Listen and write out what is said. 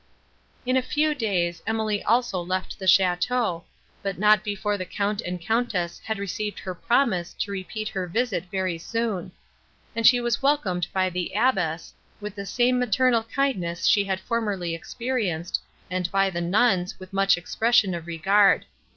In a few days, Emily also left the château, but not before the Count and Countess had received her promise to repeat her visit very soon; and she was welcomed by the abbess, with the same maternal kindness she had formerly experienced, and by the nuns, with much expression of regard.